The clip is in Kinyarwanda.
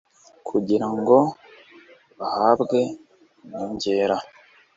kugira ngo bahabwe inyongera